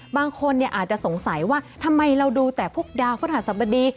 บางคนอาจจะสงสัยว่าทำไมเราดูแต่พวกดาวพระหัสบดี